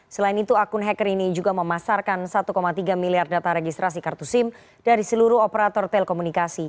selain itu akun hacker ini juga memasarkan satu tiga miliar data registrasi kartu sim dari seluruh operator telekomunikasi